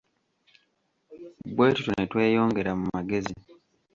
Bwe tutyo ne tweyongera mu magezi.